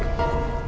elsanya mau kok